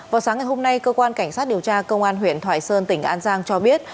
vào sáng ngày hôm nay cơ quan cảnh sát điều tra công an huyện thoại sơn tỉnh an giang cho biết